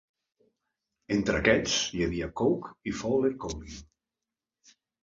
Entre aquests, hi havia Coke i Fowler Cowling.